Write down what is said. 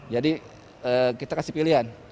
jadi kita kasih pilihan